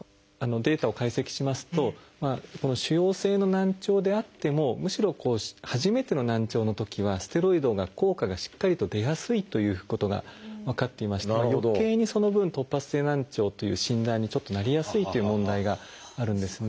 データを解析しますと腫瘍性の難聴であってもむしろ初めての難聴のときはステロイドが効果がしっかりと出やすいということが分かっていましてよけいにその分突発性難聴という診断にちょっとなりやすいっていう問題があるんですね。